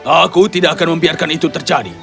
aku tidak akan membiarkan itu terjadi